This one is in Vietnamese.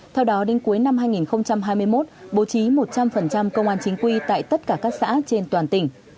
theo đó đến cuối năm hai nghìn hai mươi một bố trí một trăm linh công an chính quy tại tất cả các xã trên toàn tỉnh